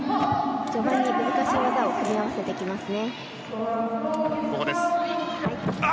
序盤に難しい技を組み合わせてきますね。